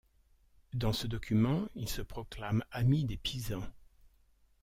Dans ce document il se proclame amis des Pisans.